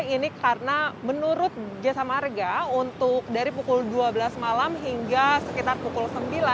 ini karena menurut jasa marga untuk dari pukul dua belas malam hingga sekitar pukul sembilan